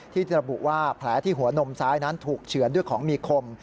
ที่ระบุว่าแผลที่หัวนมซ้ายนั้นถูกเฉือนด้วยของมีคม